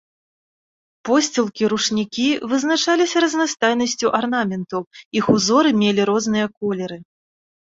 Посцілкі, ручнікі вызначаліся разнастайнасцю арнаменту, іх узоры мелі розныя колеры.